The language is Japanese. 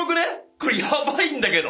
・「これヤバいんだけど！